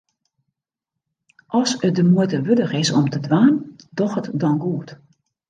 As it de muoite wurdich is om te dwaan, doch it dan goed.